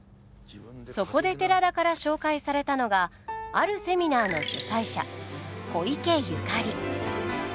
そこで寺田から紹介されたのがあるセミナーの主宰者小池ゆかり。